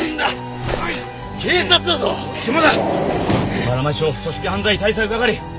河原町署組織犯罪対策係。